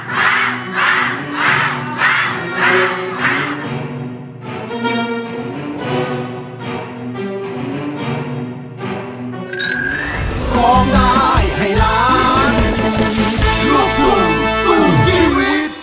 ไหล่ไหล่โลกภูมิสุดที่รีบ